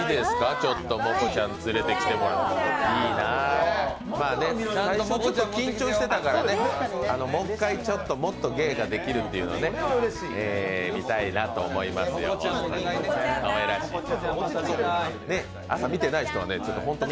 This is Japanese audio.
ちょっと緊張してたからね、もう１回もっと芸ができるというのをみたいなと思いますよ、本当に。